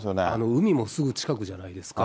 海もすぐ近くじゃないですか。